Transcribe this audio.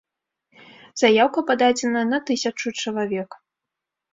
Заяўка пададзена на тысячу чалавек.